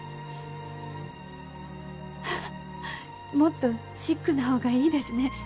ハハッもっとシックな方がいいですね。